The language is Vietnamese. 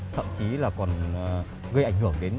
thậm chí là còn gây ảnh hưởng đến